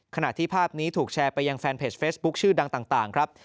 ขณะที่ภาพนี้ถูกแชร์ไปยังแฟนเพจเฟซบุ๊คชื่อดังต่างครับ